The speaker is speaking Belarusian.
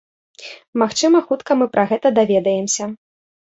Магчыма хутка мы пра гэта даведаемся.